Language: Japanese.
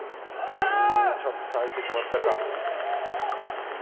ちょっと空いてしまったか。